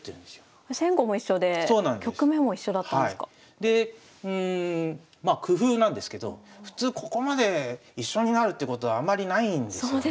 でうんまあ工夫なんですけど普通ここまで一緒になるってことはあんまりないんですよね。